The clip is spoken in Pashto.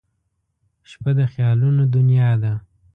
• شپه د خیالونو دنیا ده.